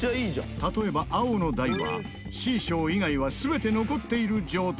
例えば青の台はＣ賞以外は全て残っている状態。